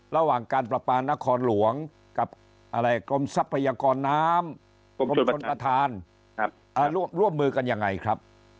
ระหว่างการประปานครหลวงกับกรมทรัพยากรน้ำกรมชนประธานร่วมมือกันยังไงครับ